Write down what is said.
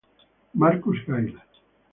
Marcus Gayle